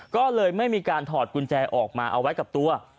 ก็เลยไม่มีการถอดกุญแจออกมาเอาไว้กับตัว